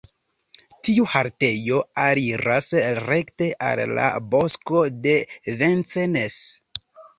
Tiu haltejo aliras rekte al la Bosko de Vincennes.